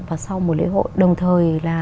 và sau mùa lễ hội đồng thời là